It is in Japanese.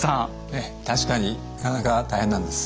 ええ確かになかなか大変なんです。